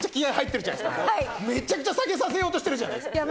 めちゃくちゃ下げさせようとしてるじゃないですか。